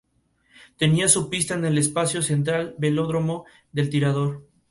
Tenía su pista en el espacio central del Velódromo del Tirador.